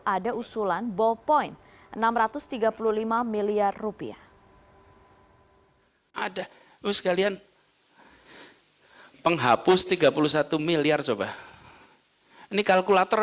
ada usulan ballpoint enam ratus tiga puluh lima miliar rupiah